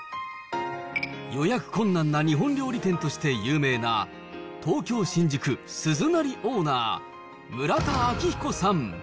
予約困難な日本料理店として有名な、東京・新宿、鈴なりオーナー、村田明彦さん。